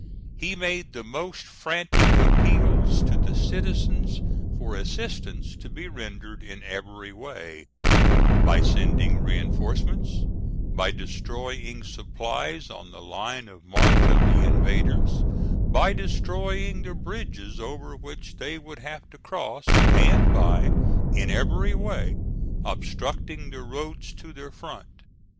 He made the most frantic appeals to the citizens for assistance to be rendered in every way: by sending reinforcements, by destroying supplies on the line of march of the invaders, by destroying the bridges over which they would have to cross, and by, in every way, obstructing the roads to their front.